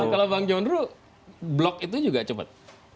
kalau bang jondro block itu juga cepet